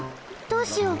どうしよう！